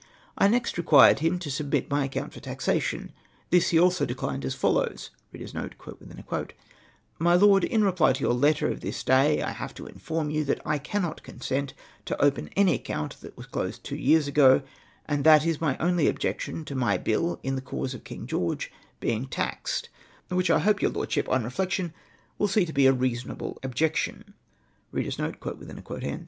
I next required him to submit my account for taxation, this he also declined as follows :—' My Lord, In reply to your letter of this day, I have to inform you that I cannot consent to open an account that was closed two years ago, and that is my only objection to my bill in the cause of King George being taxed, which I hope your Lordship, on reflection, will see to be a reasonable objection.'